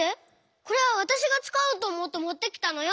これはわたしがつかおうとおもってもってきたのよ！